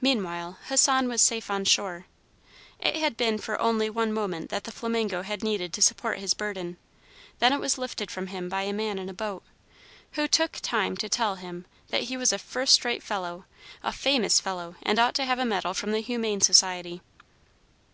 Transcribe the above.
Meanwhile, Hassan was safe on shore. It had been for only one moment that the flamingo had needed to support his burden; then it was lifted from him by a man in a boat, who took time to tell him that he was a "first rate fellow, a famous fellow, and ought to have a medal from the Humane Society."